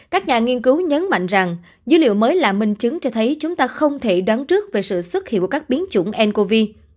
các nhà nghiên cứu nhấn mạnh rằng dữ liệu mới là minh chứng cho thấy chúng ta không thể đoán trước về sự xuất hiện của các biến chủng ncov